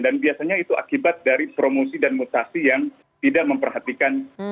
dan biasanya itu akibat dari promosi dan mutasi yang tidak memperhatikan